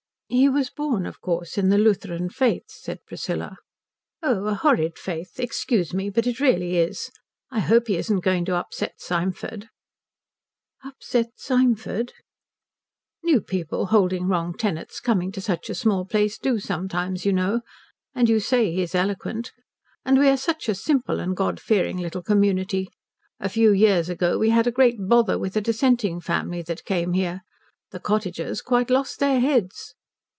"He was born, of course, in the Lutheran faith," said Priscilla. "Oh, a horrid faith. Excuse me, but it really is. I hope he isn't going to upset Symford?" "Upset Symford?" "New people holding wrong tenets coming to such a small place do sometimes, you know, and you say he is eloquent. And we are such a simple and God fearing little community. A few years ago we had a great bother with a Dissenting family that came here. The cottagers quite lost their heads."